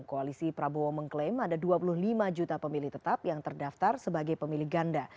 koalisi prabowo mengklaim ada dua puluh lima juta pemilih tetap yang terdaftar sebagai pemilih ganda